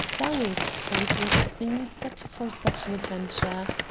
Sowell Street was a scene set for such an adventure.